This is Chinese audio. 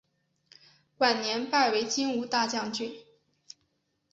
晚年拜为金吾大将军。